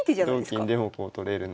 同金でもこう取れるので。